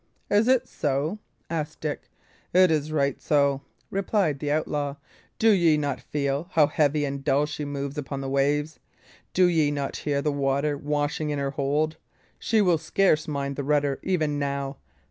"Is it so?" asked Dick. "It is right so," replied the outlaw. "Do ye not feel how heavy and dull she moves upon the waves? Do ye not hear the water washing in her hold? She will scarce mind the rudder even now.